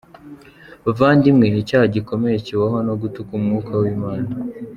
bavandimwe, icyaha gikomeye kibaho nugutuka Umwuka w’Imana.